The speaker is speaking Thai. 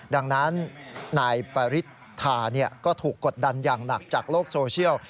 ดังนั้นนายปริศธาก็ถูกกดดันอย่างหนักจากโลกโซเชียล